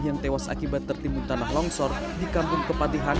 yang tewas akibat tertimbun tanah longsor di kampung kepatihan